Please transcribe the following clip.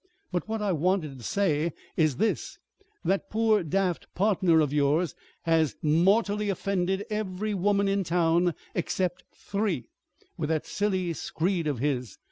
"But what I wanted to say is this: that poor daft partner of yours has mortally offended every woman in town except three, with that silly screed of his.